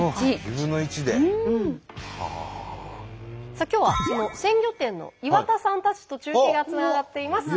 さあ今日はその鮮魚店の岩田さんたちと中継がつながっています。